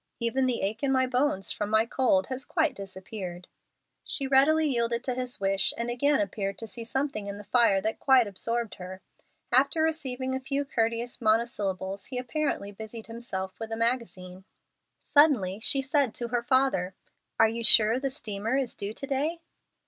Even the ache in my bones from my cold has quite disappeared." She readily yielded to his wish, and again appeared to see something in the fire that quite absorbed her. After receiving a few courteous monosyllables he apparently busied himself with a magazine. Suddenly she said to her father, "Are you sure the steamer is due to day?"